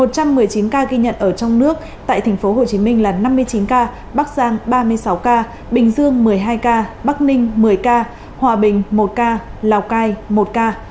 trong một mươi chín ca ghi nhận ở trong nước tại tp hcm là năm mươi chín ca bắc giang ba mươi sáu ca bình dương một mươi hai ca bắc ninh một mươi ca hòa bình một ca lào cai một ca